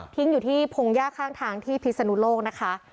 อยู่ที่พงหญ้าข้างทางที่พิศนุโลกนะคะ